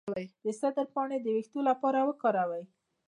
د سدر پاڼې د ویښتو لپاره وکاروئ